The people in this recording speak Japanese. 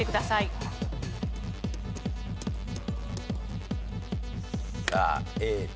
さあ